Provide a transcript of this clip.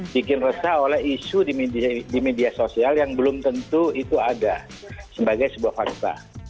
bikin resah oleh isu di media sosial yang belum tentu itu ada sebagai sebuah fakta